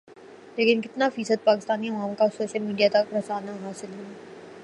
لیکن کِتنا فیصد پاکستانی عوام کو سوشل میڈیا تک رسنا حاصل ہونا